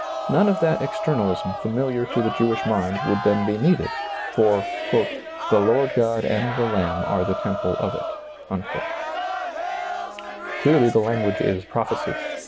None of that externalism liamiliar to the Jewish mind would then be needed, for " the Lord God and the Lamb are the temple of it" Clearly the language is prophecy.